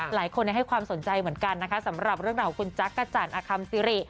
หลายคนให้ความสนใจเหมือนกันนะคะสำหรับเรื่องราวของคุณจักรจันทร์อคัมซิริ